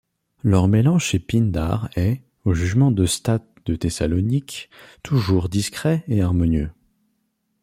Leur mélange chez Pindare est, au jugement d'Eustathe de Thessalonique, toujours discret et harmonieux.